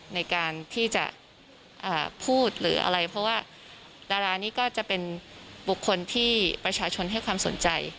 ในการที่จะพูดหรืออะไรเพราะว่าดารานี้ก็จะเป็นบุคคลที่ประชาชนให้ความสนใจ